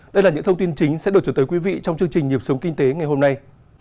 đây là những thông tin chính sẽ được trở tới quý vị trong chương trình nhịp sống kinh tế ngày hôm nay